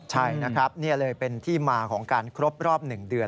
ใช่นะครับนี่เลยเป็นที่มาของการครบรอบ๑เดือน